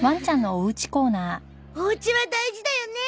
おうちは大事だよね。